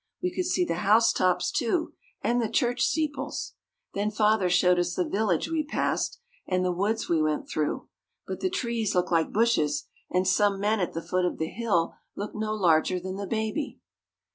We could see the house tops, too, and the church steeples. Then father showed us the village we passed; and the woods we went through. But the trees looked like bushes, and some men at the foot of the hill looked no larger than the baby.